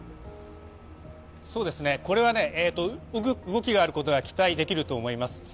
これは動きがあることが期待できると思います。